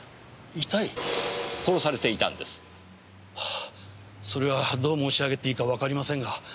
あそれはどう申し上げていいかわかりませんが。